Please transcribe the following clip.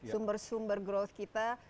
sumber sumber growth kita